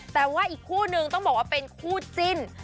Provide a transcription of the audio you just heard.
แต่ว่าอีกคู่นึงต้องบอกว่าเป็นคู่จิ้น